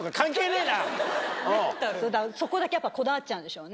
そこだけやっぱこだわっちゃうんでしょうね。